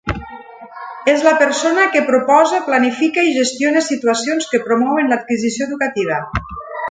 És la persona que proposa, planifica i gestiona situacions que promouen l'adquisició educativa.